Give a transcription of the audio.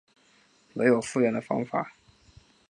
没有复原的方法